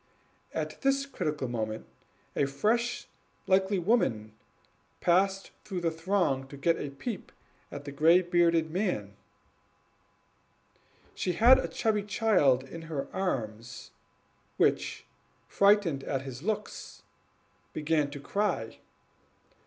At this critical moment a fresh, comely woman pressed through the throng to get a peep at the gray bearded man. She had a chubby child in her arms, which, frightened at his looks, began to cry.